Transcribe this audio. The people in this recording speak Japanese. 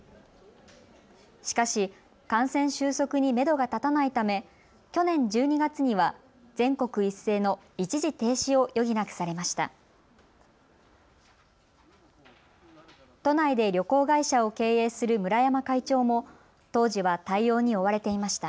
しかし、感染収束にめどが立たないため去年１２月には全国一斉の一時停止を余儀なくされました。